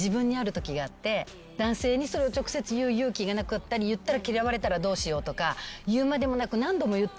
男性にそれを直接言う勇気がなかったり言ったら嫌われたらどうしようとかいうまでもなく。